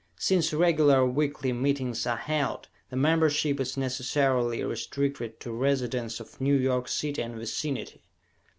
Since regular weekly meetings are held, the membership is necessarily restricted to residents of New York City and vicinity.